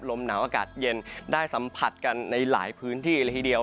ลมหนาวอากาศเย็นได้สัมผัสกันในหลายพื้นที่ละทีเดียว